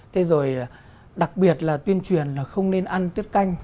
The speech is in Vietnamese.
thế rồi đặc biệt là tuyên truyền là không nên ăn tiết canh